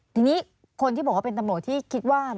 ทีนี้คนที่บอกว่าเป็นตำรวจที่คิดว่า